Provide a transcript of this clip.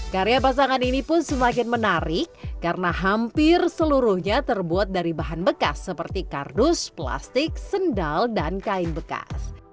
karya pasangan ini pun semakin menarik karena hampir seluruhnya terbuat dari bahan bekas seperti kardus plastik sendal dan kain bekas